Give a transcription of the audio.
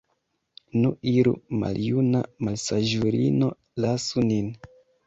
Nu, iru, maljuna malsaĝulino, lasu nin!